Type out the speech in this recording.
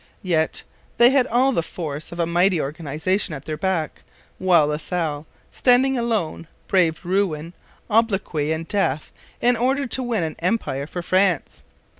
Yet they had all the force of a mighty organization at their back, while La Salle, standing alone, braved ruin, obloquy, and death in order to win an empire for France.